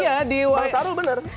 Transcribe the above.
iya di wasaru bener